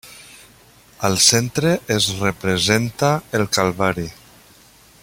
Al centre es representa el Calvari.